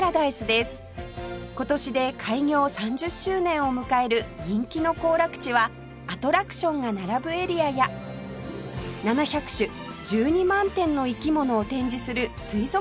今年で開業３０周年を迎える人気の行楽地はアトラクションが並ぶエリアや７００種１２万点の生き物を展示する水族館で構成